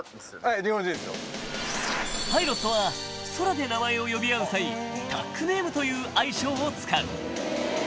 ［パイロットは空で名前を呼び合う際ＴＡＣネームという愛称を使う］